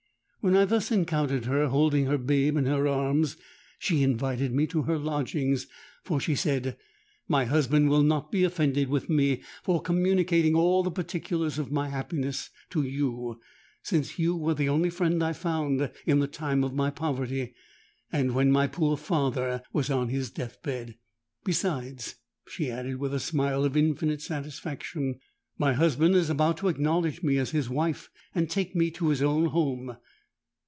When I thus encountered her, holding her babe in her arms, she invited me to her lodgings, for she said, 'My husband will not be offended with me for communicating all the particulars of my happiness to you; since you were the only friend I found in the time of my poverty and, when my poor father was on his death bed. Besides,' she added, with a smile of infinite satisfaction, 'my husband is about to acknowledge me as his wife and take me to his own home.'